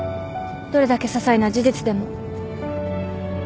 どれだけささいな事実でも。